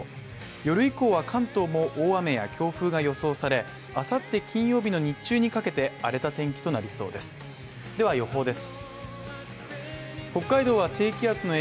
夜以降は関東も大雨や強風が予想され、明後日金曜日の日中にかけて荒れた天気となりそうですでは予報です。